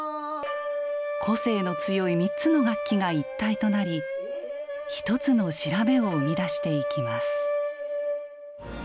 個性の強い３つの楽器が一体となり一つの調べを生み出していきます。